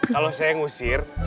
kalau saya ngusir